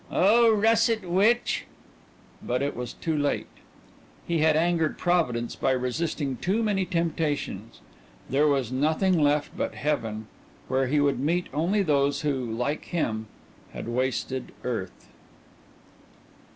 "O Russet Witch!" But it was too late. He had angered Providence by resisting too many temptations. There was nothing left but heaven, where he would meet only those who, like him, had wasted earth.